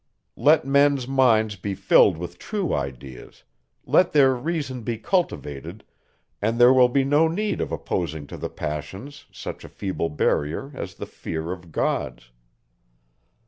Let men's minds be filled with true ideas; let their reason be cultivated; and there will be no need of opposing to the passions, such a feeble barrier, as the fear of gods.